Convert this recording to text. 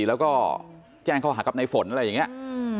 แล้วก็แจ้งข้อหากับในฝนอะไรอย่างนี้